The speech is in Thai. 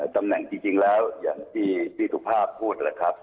ตำแหน่งจริงแล้วอย่างที่พี่สุภาพพูดนะครับ